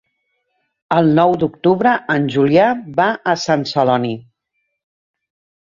El nou d'octubre en Julià va a Sant Celoni.